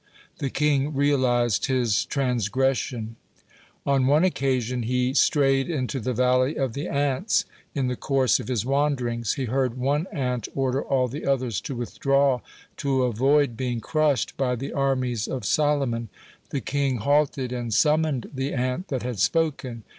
The king realized his transgression. On one occasion he strayed into the valley of the ants in the course of his wanderings. He heard one ant order all the others to withdraw, to avoid being crushed by the armies of Solomon. The king halted and summoned the ant that had spoken.